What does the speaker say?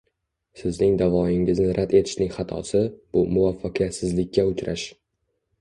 Sizning da'voingizni rad etishning xatosi - bu muvaffaqiyatsizlikka uchrash